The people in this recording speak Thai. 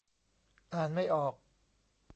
อ่านไม่ออก